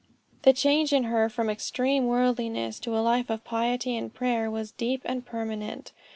The change in her from extreme worldliness to a life of piety and prayer was deep and permanent.